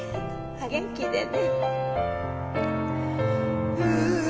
お元気でね。